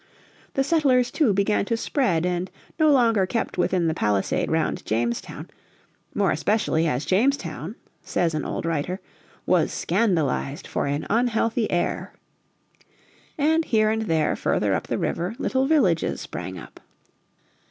The settlers, too, began to spread and no longer kept within the palisade round Jamestown, "more especially as Jamestown," says an old writer, "was scandalised for an unhealthy aire." And here and there further up the river little villages sprang up.